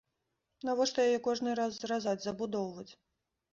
Навошта яе кожны раз зразаць, забудоўваць?